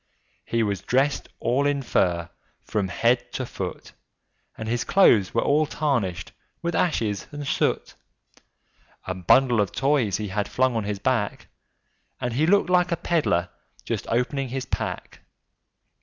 He was dressed all in fur, from his head to his foot, And his clothes were all tarnished with ashes and soot; A bundle of Toys he had flung on his back, And he looked like a peddler just opening his pack.